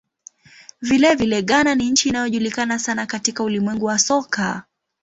Vilevile, Ghana ni nchi inayojulikana sana katika ulimwengu wa soka.